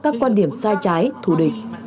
các quan điểm sai trái thù địch